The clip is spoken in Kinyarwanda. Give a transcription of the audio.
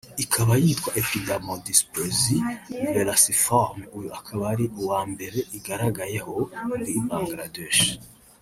ikaba yitwa ‘épidermodysplasie verruciforme’ uyu akaba ari uwa mbere igaragayeho muri Bangladesh